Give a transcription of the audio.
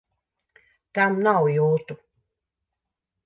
Tam nav jūtu!